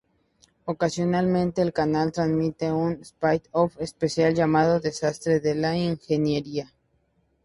Ocasionalmente, el canal transmite un "spin-off" especial llamado "Desastres de la Ingeniería.